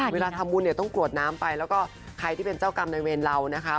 เวลาทำบุญเนี่ยต้องกรวดน้ำไปแล้วก็ใครที่เป็นเจ้ากรรมในเวรเรานะคะ